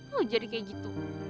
kok jadi kayak gitu